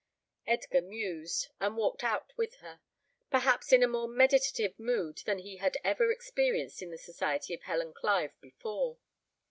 Edgar mused, and walked out with her, perhaps in a more meditative mood than he had ever experienced in the society of Helen Clive before.